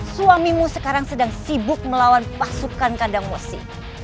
suamimu sekarang sedang sibuk melawan pasukan kandang wesi